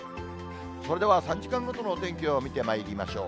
それでは、３時間ごとのお天気を見てまいりましょう。